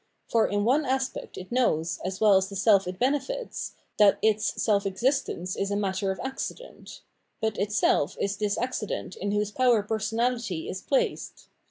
For in one aspect it knows, as well as the self it benefits, that its self existence is a matter of accident ; but itself is this accident in whose power personahty is placed.